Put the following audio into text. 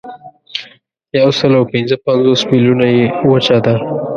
یوسلاوپینځهپنځوس میلیونه یې وچه ده.